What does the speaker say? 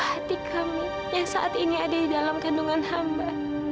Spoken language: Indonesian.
hati kami yang saat ini ada di dalam kandungan hamba